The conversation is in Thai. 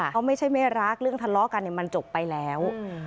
เขาไม่ใช่ไม่รักเรื่องทะเลาะกันมันจบไปแล้ว